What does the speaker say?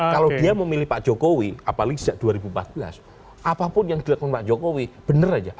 kalau dia memilih pak jokowi apalagi sejak dua ribu empat belas apapun yang dilakukan pak jokowi benar aja